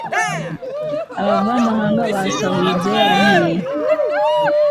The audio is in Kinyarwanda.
abavamahanga basahure ibyo yaruhiye